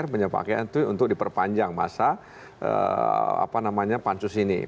jadi pemerintah dan dpr punya pakaian untuk diperpanjang masa pancus ini